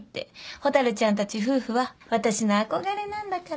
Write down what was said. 蛍ちゃんたち夫婦は私の憧れなんだから。